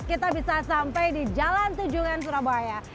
kita bisa sampai di jalan tunjungan surabaya